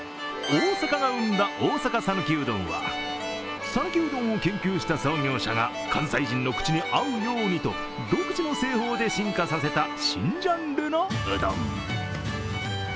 大阪が生んだ大阪讃岐うどんは讃岐うどんを研究した創業者が関西人の口に合うようにと独自の製法で進化させた新ジャンルのうどん。